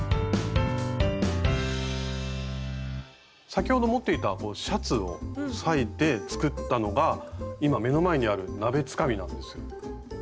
先ほど持っていたシャツを裂いて作ったのが今目の前にある鍋つかみなんですよ。